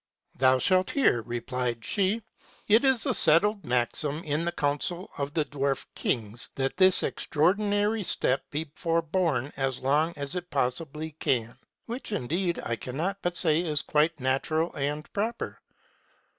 ŌĆö 'Thou shalt hear,' replied she. ' It is a settled maxim in the council of the dwarf kings, that this extraordinary step be forborne as long as it possibly can ; which, indeed, I cannot but say is quite natural and proper.